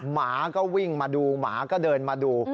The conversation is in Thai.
หมาก็วิ่งมาดูหมาก็เดินมาดู